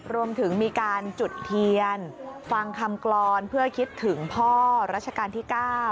รวมถึงมีการจุดเทียนฟังคำกรอนเพื่อคิดถึงพ่อรัชกาลที่๙